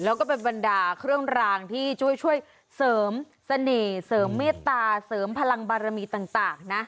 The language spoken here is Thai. แล้วก็เป็นบรรดาเครื่องรางที่ช่วยเสริมเสน่ห์เสริมเมตตาเสริมพลังบารมีต่างนะ